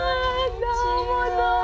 どうもどうも！